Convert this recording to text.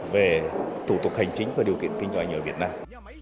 về thủ tục hành chính và điều kiện kinh doanh ở việt nam